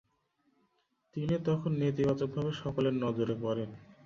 তিনি তখন নেতিবাচকভাবে সকলের নজরে পড়েন।